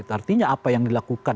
artinya apa yang dilakukan